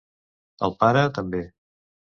El pare, també.